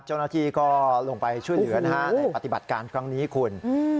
เจ้าหน้าที่ก็ลงไปช่วยเหลือนะฮะในปฏิบัติการครั้งนี้คุณ